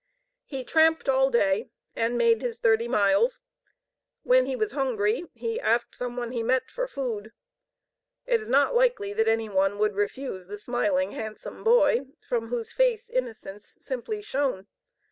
He tramped all day, and made his thirty miles. When he was hungry, he asked some one he met for food. It is not likely that any one would refuse the smiling, handsome boy, from whose face innocence simply shone.